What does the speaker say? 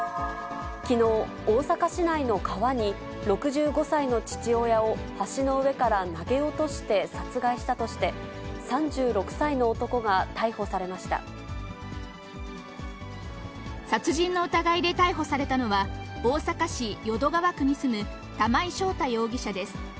きのう、大阪市内の川に、６５歳の父親を橋の上から投げ落として殺害したとして、殺人の疑いで逮捕されたのは、大阪市淀川区に住む玉井将太容疑者です。